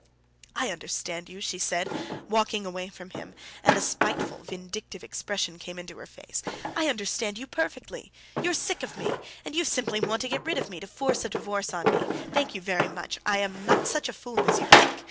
"I understand you," she said, walking away from him, and a spiteful, vindictive expression came into her face. "I understand you perfectly. You are sick of me, and you simply want to get rid of me, to force this divorce on me. Thank you very much; I am not such a fool as you think.